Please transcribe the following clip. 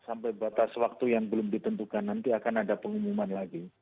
sampai batas waktu yang belum ditentukan nanti akan ada pengumuman lagi